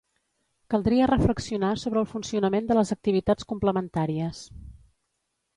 Caldria reflexionar sobre el funcionament de les activitats complementàries.